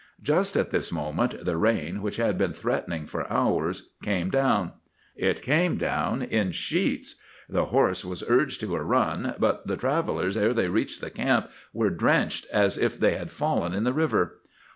"Just at this moment the rain, which had been threatening for hours, came down. It came down in sheets. The horse was urged to a run; but the travellers, ere they reached the camp, were drenched as if they had fallen in the river.